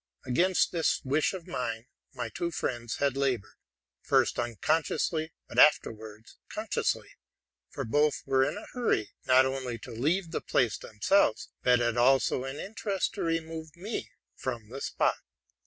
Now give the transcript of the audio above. Against this wish of mine my two friends had labored, first unconsciously, but after wards consciously ; for both were in a hurry, not only to leave the place themselves, but had also an interest to remove me from the spot.